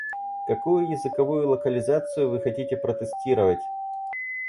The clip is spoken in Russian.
Какую языковую локализацию вы хотите протестировать?